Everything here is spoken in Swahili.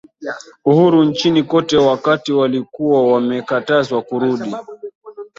uhuru nchini kote wakati walikuwa wamekatazwa kurudi